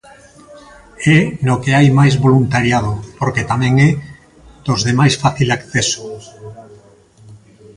É no que hai máis voluntariado porque tamén é dos de máis fácil acceso.